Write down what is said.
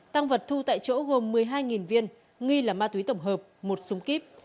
tăng vật thu tại chỗ gồm một mươi hai viên nghi là ma túy tổng hợp một súng kíp